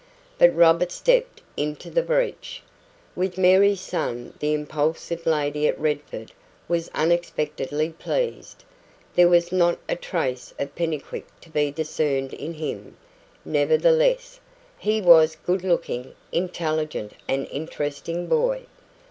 But Robert stepped into the breach. With Mary's son the impulsive lady of Redford was unexpectedly pleased. There was not a trace of Pennycuick to be discerned in him; nevertheless, he was a good looking, intelligent and interesting boy.